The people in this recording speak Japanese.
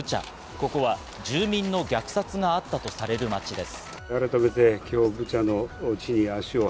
ここは住民の虐殺があったとされる街です。